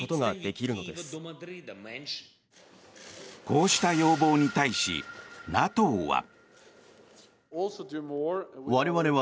こうした要望に対しＮＡＴＯは。